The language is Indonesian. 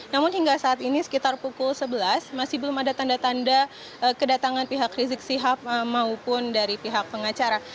namun hingga saat ini sekitar pukul sebelas masih belum ada tanda tanda kedatangan pihak rizik sihab maupun dari pihak pengacara